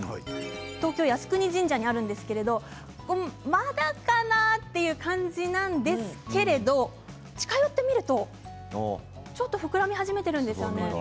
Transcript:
東京・靖国神社にあるんですけれどまだかなという感じなんですけれど近寄ってみるとちょっと膨らみ始めているんですよね。